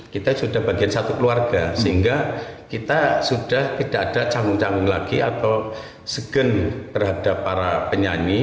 kita sudah bagian satu keluarga sehingga kita sudah tidak ada canggung canggung lagi atau segen terhadap para penyanyi